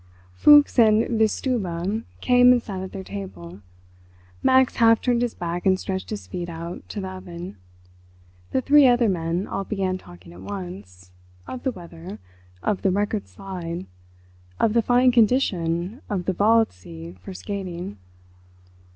Fuchs and Wistuba came and sat at their table. Max half turned his back and stretched his feet out to the oven. The three other men all began talking at once—of the weather—of the record slide—of the fine condition of the Wald See for skating.